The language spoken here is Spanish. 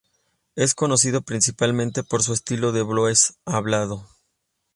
Es conocido principalmente por su estilo de blues hablado.